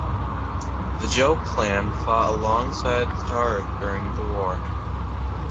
The Jo clan fought alongside the Taira during the war.